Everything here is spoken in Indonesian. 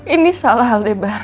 ini salah hal debar